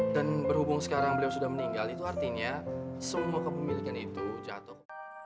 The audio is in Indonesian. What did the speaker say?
dan berhubung sekarang beliau sudah meninggal itu artinya semua kepemilikan itu jatuh